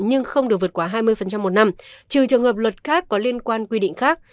nhưng không được vượt quá hai mươi một năm trừ trường hợp luật khác có liên quan quy định khác